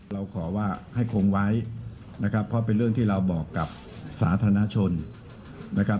เราขอว่าให้คงไว้นะครับเพราะเป็นเรื่องที่เราบอกกับสาธารณชนนะครับ